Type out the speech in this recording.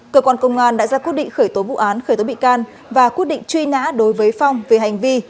cơ quan công an đã ra quyết định khởi tố vụ án khởi tố bị can và quyết định truy nã đối với phong về hành vi